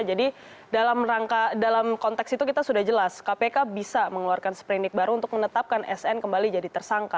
jadi dalam rangka dalam konteks itu kita sudah jelas kpk bisa mengeluarkan sprint dig baru untuk menetapkan sn kembali jadi tersangka